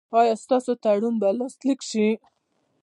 ایا ستاسو تړون به لاسلیک شي؟